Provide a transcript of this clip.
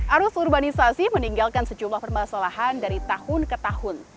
arus urbanisasi meninggalkan sejumlah permasalahan dari tahun ke tahun